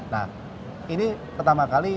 nah ini pertama kali